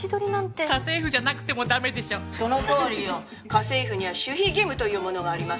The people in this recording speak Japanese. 家政婦には守秘義務というものがあります。